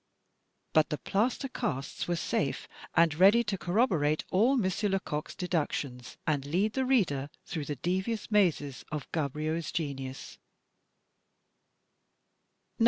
But the plaster casts were safe, and ready to corroborate all M. Lecoq's deductions, and lead the reader through the devious mazes of Gaboriau's genius.